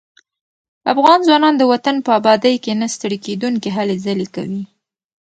افغان ځوانان د وطن په ابادۍ کې نه ستړي کېدونکي هلې ځلې کوي.